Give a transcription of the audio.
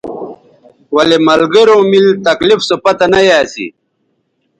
ولے ملگروں میل تکلیف سو پتہ نہ یا اسی